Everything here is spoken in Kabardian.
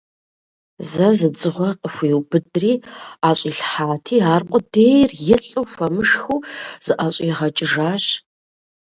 Зэ зы дзыгъуэ къыхуиубыдри ӀэщӀилъхьати, аркъудейр, илӀу хуэмышхыу, зыӀэщӀигъэкӀыжащ!